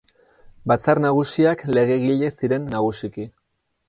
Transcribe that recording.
Batzar Nagusiak legegile ziren nagusiki.